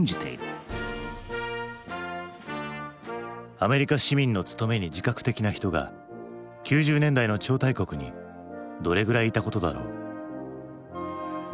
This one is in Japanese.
アメリカ市民の務めに自覚的な人が９０年代の超大国にどれぐらいいたことだろう。